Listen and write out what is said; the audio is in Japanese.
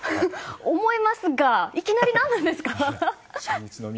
思いますがいきなり何なんですか？